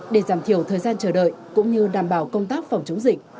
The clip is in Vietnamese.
để giảm thiểu thời gian chờ đợi cũng như đảm bảo công tác phòng chống dịch